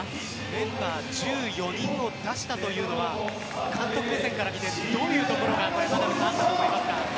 メンバー１４人を出したというのは監督目線からしてどういうところがありますか？